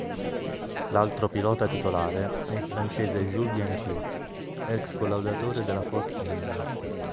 L'altro pilota titolare è il francese Jules Bianchi, ex collaudatore della Force India.